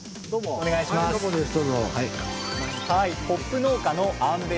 お願いします。